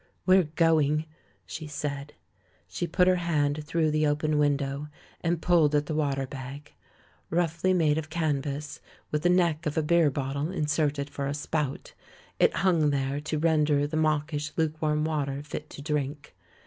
"We're going," she said. She put her hand through the open window and pulled at the wa ter bag. Roughly made of canvas, with the neck of a beer bottle inserted for a spout, it hung there to render the mawkish, lukewarm water fit to drink.